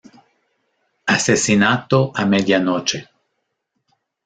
Asesinato a medianoche".